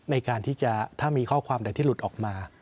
ในการที่จะถ้ามีข้อความใดที่หลุดออกมา